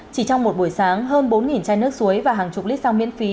chỉ trong một buổi sáng hơn bốn chai nước suối và hàng chục lít sang miễn phí